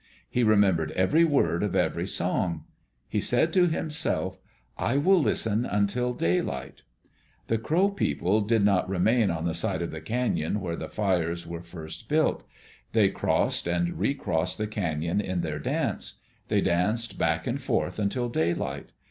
He remembered every word of every song. He said to himself, "I will listen until daylight." The Crow People did not remain on the side of the canon where the fires were first built. They crossed and recrossed the canon in their dance. They danced back and forth until daylight.